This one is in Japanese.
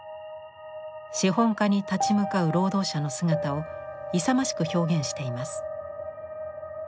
資本家に立ち向かう労働者の姿を勇ましく表現しています。